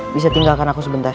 bisa tinggalkan aku sebentar